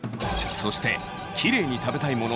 そしてキレイに食べたいもの